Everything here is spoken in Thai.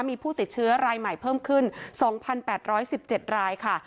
มีผู้ติดเชื้อรายใหม่เพิ่มขึ้น๒๘๑๗รายค่ะ